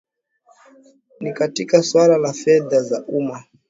a ni katika swala la fedha za umma